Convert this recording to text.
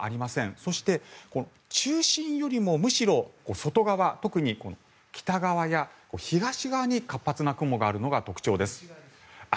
そしてこの中心よりもむしろ外側特に北側や西側のほうに活発な雲があるのが特徴です。